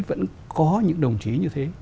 vẫn có những đồng chí như thế